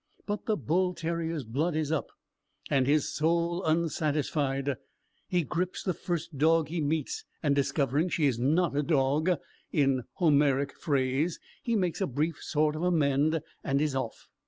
But the Bull Terrier's blood is up, and his soul unsatisfied; he grips the first dog he meets, and discovering she is not a dog, in Homeric phrase, he makes a brief sort of amende, and is off.